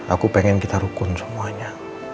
aku pengen kita rukun semuanya